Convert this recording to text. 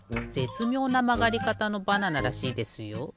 つみょうなまがりかたのバナナらしいですよ。